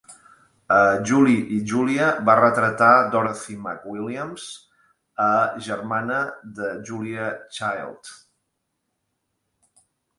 A "Julie i Julia", va retratar Dorothy McWilliams, a germana de Julia Child.